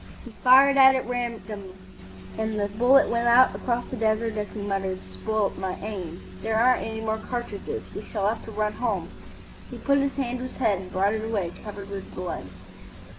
He fired at random, and the bullet went out across the desert as he muttered, "Spoilt my aim. There aren't any more cartridges. We shall have to run home." He put his hand to his head and brought it away covered with blood.